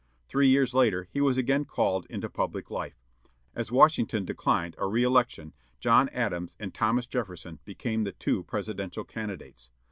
Three years later, he was again called into public life. As Washington declined a reëlection, John Adams and Thomas Jefferson became the two Presidential candidates.